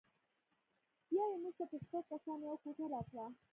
بیا یې موږ ته په شپږو کسانو یوه کوټه راکړه.